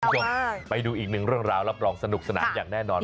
คุณผู้ชมไปดูอีกหนึ่งเรื่องราวรับรองสนุกสนานอย่างแน่นอน